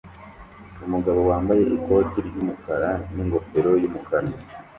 Umugabo wambaye ikoti ry'umukara n'ingofero y'umukara